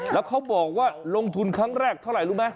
แล้วเขาบอกว่าลงทุนครั้งแรกเท่าไหร่รู้ไหม